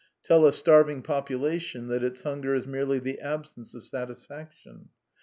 Tell a starving population that its hunger is merely the absence of satisfaction.